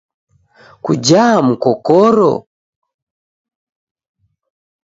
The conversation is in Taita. Kujaa mkokoro?